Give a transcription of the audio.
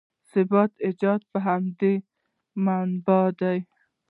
ثبات ایجاد پر همدې مبنا دی.